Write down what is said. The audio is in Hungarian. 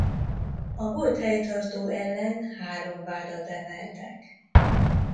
A volt helytartó ellen három vádat emeltek.